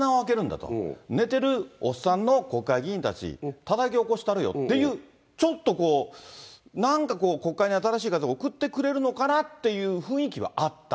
国会に風穴を開けるんだと、寝てるおっさんの国会議員たち、たたき起こしたるよっていう、ちょっとこう、なんかこう、国会に新しい風送ってくれるのかなっていう雰囲気はあった。